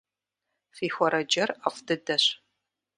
Фи хуэрэджэр ӏэфӏ дыдэщ.